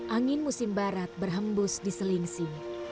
angin musim barat berhembus di selingsing